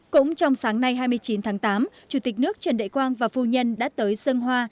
cũng trong sáng nay hai mươi chín tháng tám chủ tịch nước trần đại quang và phu nhân đã tới dân hoa